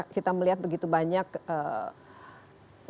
kita melihat begitu banyak wartawan wartawan